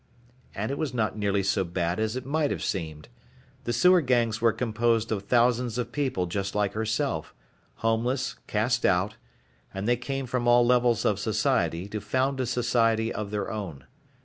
And it was not nearly so bad as it might have seemed. The sewer gangs were composed of thousands of people just like herself, homeless, cast out, and they came from all levels of society to found a society of their own.